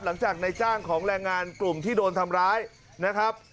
หลังจากในจ้างของแรงงานกลุ่มที่โดนทำร้ายนะครับ